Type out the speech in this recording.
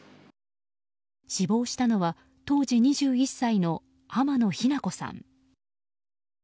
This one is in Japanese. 死亡したのは当時２１歳の濱野日菜子さん。